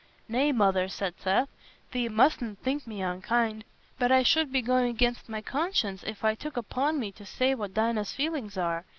"Nay, Mother," said Seth, "thee mustna think me unkind, but I should be going against my conscience if I took upon me to say what Dinah's feelings are.